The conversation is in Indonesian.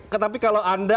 tetapi kalau anda